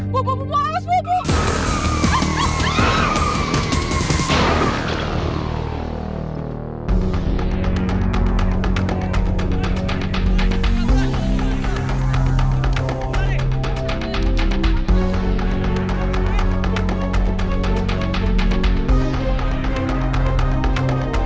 buah buah buah alas buah buah